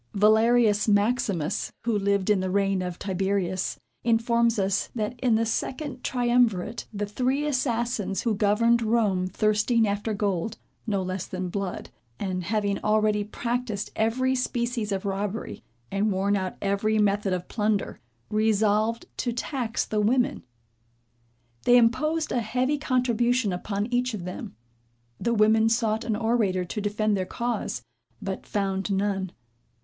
Valerius Maximus who lived in the reign of Tiberius, informs us that, in the second triumvirate, the three assassins who governed Rome thirsting after gold, no less than blood, and having already practised every species of robbery, and worn out every method of plunder; resolved to tax the women. They imposed a heavy contribution upon each of them. The women sought an orator to defend their cause, but found none.